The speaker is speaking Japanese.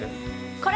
これ？